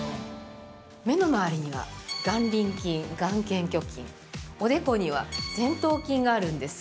◆目の周りには眼輪筋、眼瞼挙筋おでこには前頭筋があるんです。